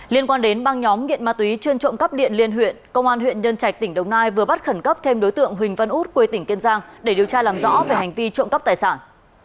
liên quan đến băng nhóm nghiện ma túy chuyên trộm cắp điện liên huyện công an huyện nhân trạch tỉnh đồng nai vừa bắt khẩn cấp thêm đối tượng huỳnh văn út quê tỉnh kiên giang để điều tra làm rõ về hành vi trộm cắp tài sản